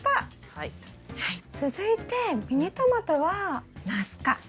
続いてミニトマトはナス科。